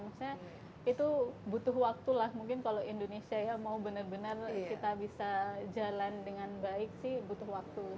maksudnya itu butuh waktu lah mungkin kalau indonesia ya mau benar benar kita bisa jalan dengan baik sih butuh waktu